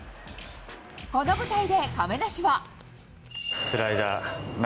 この舞台で、亀梨は。